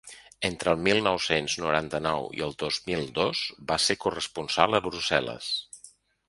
Entre el mil nou-cents noranta-nou i el dos mil dos va ser corresponsal a Brussel·les.